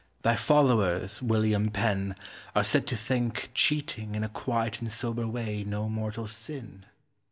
Thy followers, William Penn, are said to think cheating in a quiet and sober way no mortal sin.